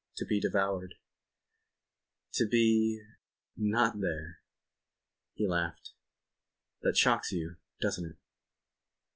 . to be devoured ... to be ... not there." He laughed. "That shocks you. Doesn't it?"